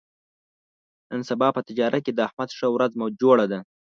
نن سبا په تجارت کې د احمد ښه ورځ جوړه ده.